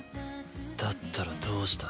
だったらどうした？